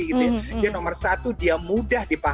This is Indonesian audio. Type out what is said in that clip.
jadi nomor satu dia mudah dipahamkan